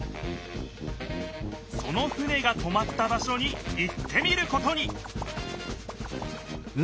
その船がとまった場所に行ってみることに！